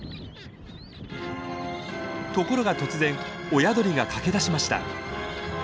ところが突然親鳥が駆け出しました。